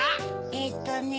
えっとね。